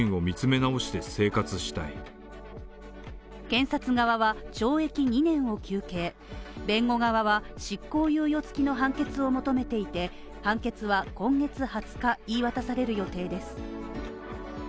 検察側は懲役２年を求刑、弁護側は執行猶予付きの判決を求めていて判決は今月２０日、言い渡される予定です。